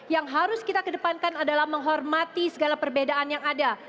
yang harus kita kedepankan adalah menghormati segala perbedaan yang ada